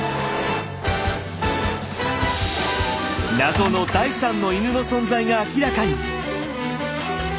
そして謎の第３の犬の存在が明らかに！